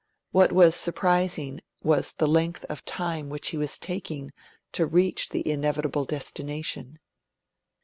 What was surprising was the length of time which he was taking to reach the inevitable destination.